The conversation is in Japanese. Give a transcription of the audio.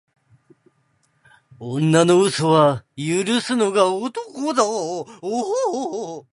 女の嘘は許すのが男だ。